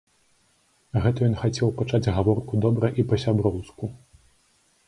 Гэта ён хацеў пачаць гаворку добра і па-сяброўску.